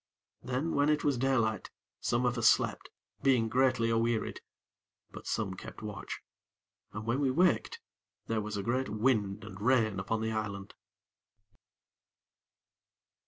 Then when it was daylight, some of us slept, being greatly awearied; but some kept watch. And when we waked there was a great wind and rain upon the island.